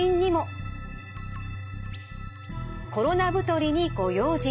「コロナ太りにご用心！」。